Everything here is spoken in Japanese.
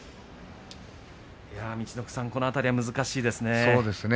陸奥さんこの辺りは難しいですね。